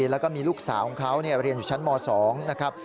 แล้วก็มีลูกสาวของเขาเรียนอยู่ชั้นม๒นะครับ